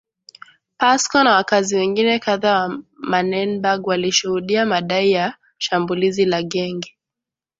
Pascoe na wakazi wengine kadhaa wa Manenberg walishuhudia madai ya shambulizi la genge